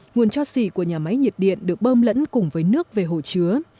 nguồn cho xỉ của nhà máy nhiệt điện được bơm lẫn cùng với nước về hồ chứa